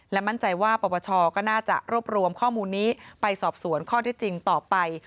มั่นใจว่าปปชก็น่าจะรวบรวมข้อมูลนี้ไปสอบสวนข้อที่จริงต่อไป